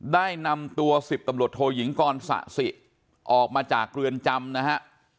ได้นำตัว๑๐ตำรวจโทยิงกรสะสิออกมาจากเรือนจำนะฮะ